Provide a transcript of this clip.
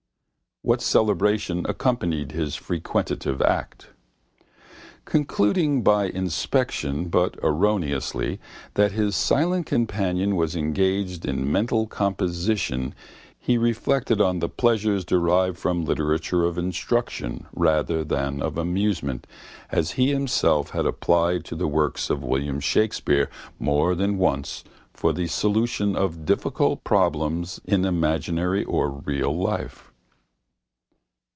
What cerebration accompanied his frequentative act? Concluding by inspection but erroneously that his silent companion was engaged in mental composition he reflected on the pleasures derived from literature of instruction rather than of amusement as he himself had applied to the works of William Shakespeare more than once for the solution of difficult problems in imaginary or real life.